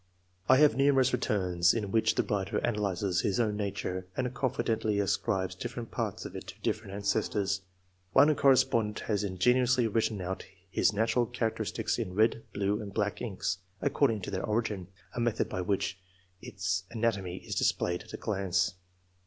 I have numerous returns, in which the writer analyzes his own nature, and confidently ascribes different parts of it to different ancestors. One correspondent has ingeniously written out his natural characteristics in red, blue, and black inks, according to their origin — a method by which its anatomy is displayed at a glance.